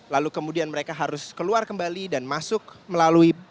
lalu kemudian mereka harus keluar kembali dan masuk melalui